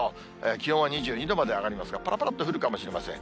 気温は２２度まで上がりますが、ぱらぱらっと降るかもしれません。